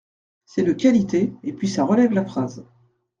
C’est de qualité et puis ça relève la phrase.